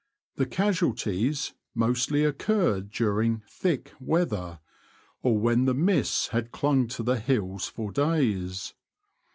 The casualties mostly occurred during *' thick" weather, or when the mists had clung to the hills for days.